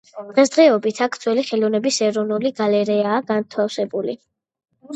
დღესდღეობით აქ ძველი ხელოვნების ეროვნული გალერეაა განთავსებული.